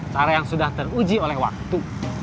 cara yang sudah teruji oleh waktu